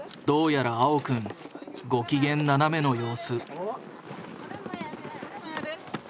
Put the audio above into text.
どうやら青くんご機嫌斜めの様子。